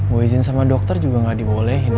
gue izin sama dokter juga gak dibolehin